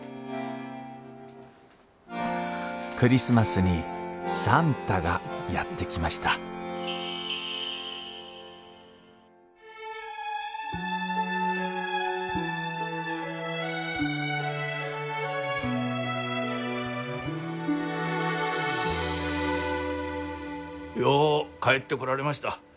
クリスマスに算太がやって来ましたよう帰ってこられました。